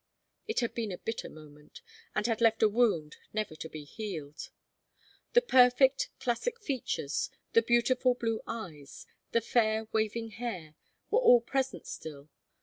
It had been a bitter moment, and had left a wound never to be healed. The perfect, classic features, the beautiful blue eyes, the fair waving hair, were all present still.